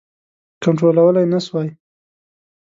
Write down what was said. کنټرولولای نه سوای.